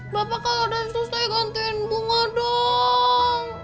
bapak kalau udah susah gantiin bunga dong